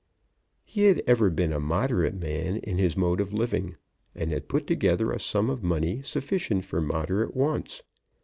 He had ever been a moderate man in his mode of living, and had put together a sum of money sufficient for moderate wants.